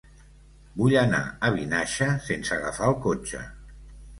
Vull anar a Vinaixa sense agafar el cotxe.